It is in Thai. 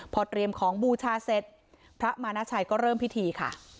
พอเตรียมของบูชาเสร็จพระมานาชัยก็เริ่มพิธีค่ะ